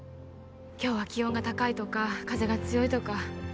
今日は気温が高いとか風が強いとか